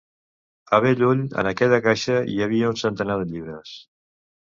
A bell ull, en aquella caixa, hi havia un centenar de llibres.